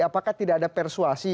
apakah tidak ada persuasi